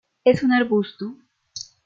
Es un arbusto.